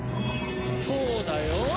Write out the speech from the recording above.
そうだよ！